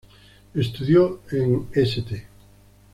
Estudió en "St.